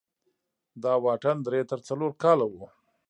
دا واټن درې تر څلور کاله و.